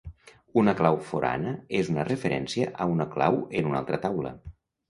Una clau forana és una referència a una clau en altra taula.